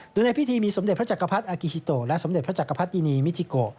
โดยในพิธีมีสมเด็จพระจักรพรรดิอากิฮิโตและสมเด็จพระจักรพรรดินีมิจิโก